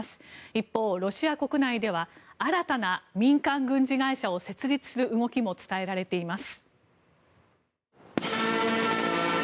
一方、ロシア国内では新たな民間軍事会社を設立する動きも伝えられています。